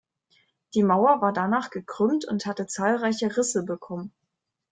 Die Mauer war danach gekrümmt und hatte zahlreiche Risse bekommen.